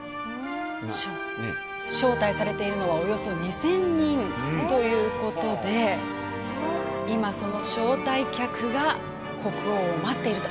招待されているのはおよそ２０００人ということで今、その招待客が国王を待っていると。